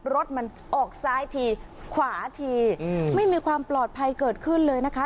รถมันออกซ้ายทีขวาทีไม่มีความปลอดภัยเกิดขึ้นเลยนะคะ